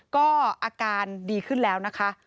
ก็อาการดีขึ้นแล้วนะคะ